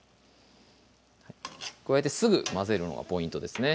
こうやってすぐ混ぜるのがポイントですね